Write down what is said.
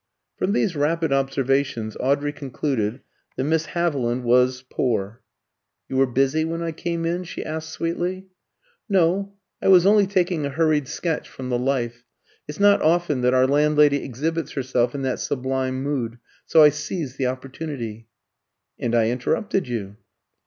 From these rapid observations Audrey concluded that Miss Haviland was poor. "You were busy when I came in?" she asked sweetly. "No; I was only taking a hurried sketch from the life. It's not often that our landlady exhibits herself in that sublime mood; so I seized the opportunity." "And I interrupted you."